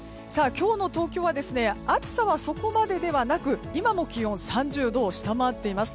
今日の東京は暑さはそこまでではなく今も気温３０度を下回っています。